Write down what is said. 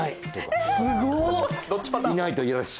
すごっ！